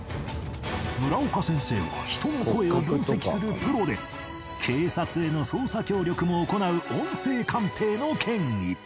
村岡先生は人の声を分析するプロで警察への捜査協力も行う音声鑑定の権威